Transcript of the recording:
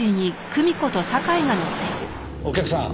お客さん